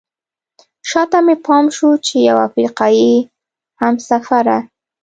شاته مې پام شو چې یوه افریقایي همسفره.